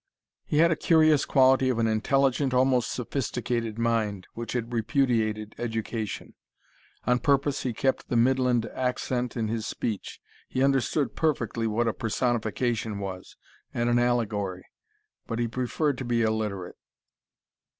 He had a curious quality of an intelligent, almost sophisticated mind, which had repudiated education. On purpose he kept the midland accent in his speech. He understood perfectly what a personification was and an allegory. But he preferred to be illiterate.